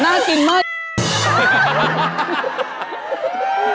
น่ากินมาก